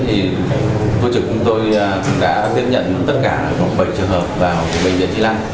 thì tổ chức của tôi đã tiếp nhận tất cả bảy trường hợp vào bệnh viện tri lăng